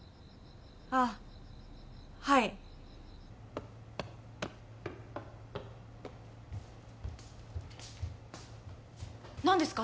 あっはい何ですか？